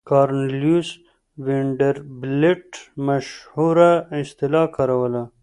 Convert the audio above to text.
کارنلیوس وینډربیلټ مشهوره اصطلاح کاروله.